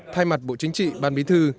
thay mặt bộ chính trị ban bí thư